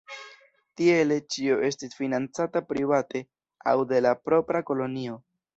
Tiele ĉio estis financata private aŭ de la propra kolonio.